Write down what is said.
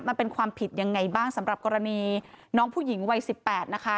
มันเป็นความผิดยังไงบ้างสำหรับกรณีน้องผู้หญิงวัย๑๘นะคะ